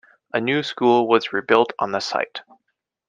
A new school was rebuilt on the site.